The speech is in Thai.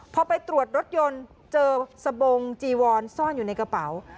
พอไปตรวจรถยนต์เจอสบงจีวอนซ่อนอยู่ในกระเป๋า